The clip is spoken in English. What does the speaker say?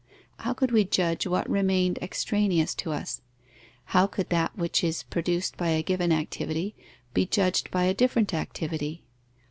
How could we judge what remained extraneous to us? How could that which is produced by a given activity be judged by a different activity?